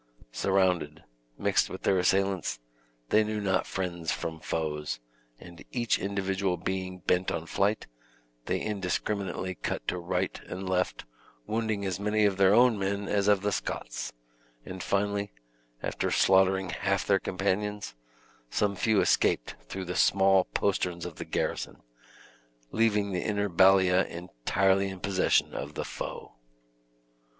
Surrounded, mixed with their assailants, they knew not friends from foes, and each individual being bent on flight, they indiscriminately cut to right and left, wounding as many of their own men as of the Scots, and finally, after slaughtering half their companions, some few escaped through the small posterns of the garrison, leaving the inner ballia entirely in possession of the foe.